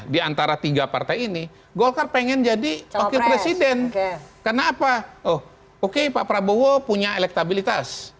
di antara tiga partai ini golkar pengen jadi wakil presiden karena apa oh oke pak prabowo punya elektabilitas